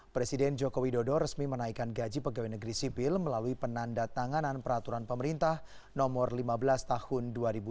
presiden joko widodo resmi menaikkan gaji pegawai negeri sipil melalui penanda tanganan peraturan pemerintah nomor lima belas tahun dua ribu dua puluh